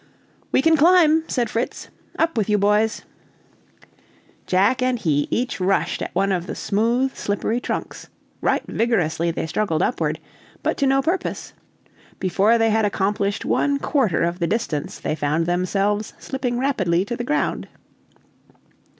"We can climb," said Fritz, "up with you, boys." Jack and he each rushed at one of the smooth, slippery trunks; right vigorously they struggled upward, but to no purpose; before they had accomplished one quarter of the distance they found themselves slipping rapidly to the ground.